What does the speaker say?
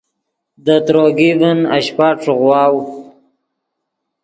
دے تروگی ڤین اشپہ ݯیغواؤ